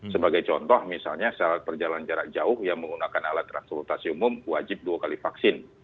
sebagai contoh misalnya syarat perjalanan jarak jauh yang menggunakan alat transportasi umum wajib dua kali vaksin